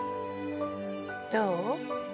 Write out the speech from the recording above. どう？